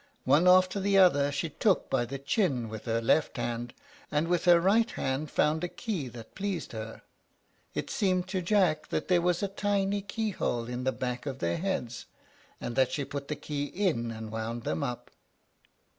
One after the other she took by the chin with her left hand, and with her right hand found a key that pleased her. It seemed to Jack that there was a tiny key hole in the back of their heads, and that she put the key in and wound them up.